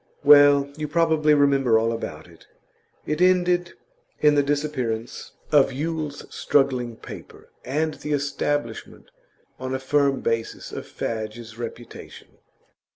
Well, you probably remember all about it. It ended in the disappearance of Yule's struggling paper, and the establishment on a firm basis of Fadge's reputation.